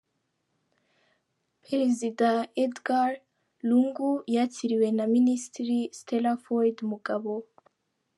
Perezida Edgar Lungu yakiriwe na Minisitiri Stella Ford Mugabo.